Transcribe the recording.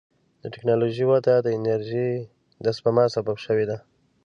د ټکنالوجۍ وده د انرژۍ د سپما سبب شوې ده.